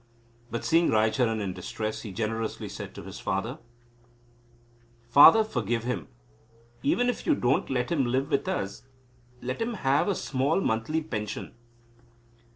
But seeing Raicharan in distress, he generously said to his father: "Father, forgive him. Even if you don't let him live with us, let him have a small monthly pension."